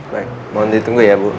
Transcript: baik mohon ditunggu ya bu